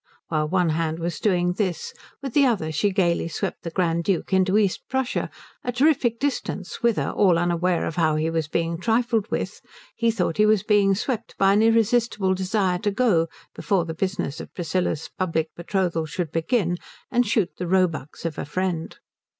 While one hand was doing this, with the other she gaily swept the Grand Duke into East Prussia, a terrific distance, whither, all unaware of how he was being trifled with, he thought he was being swept by an irresistible desire to go, before the business of Priscilla's public betrothal should begin, and shoot the roebucks of a friend.